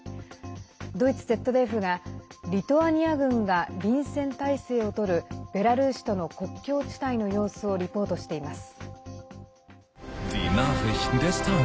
ドイツＺＤＦがリトアニア軍が臨戦態勢をとるベラルーシとの国境地帯の様子をリポートしています。